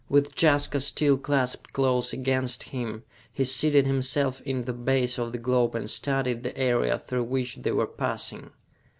With Jaska still clasped close against him, he seated himself in the base of the globe and studied the area through which they were passing.